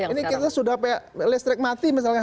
ini kita sudah listrik mati misalnya